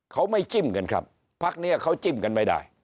เขาไม่จิ้มกันครับพักนี้เขาจิ้มกันไม่ได้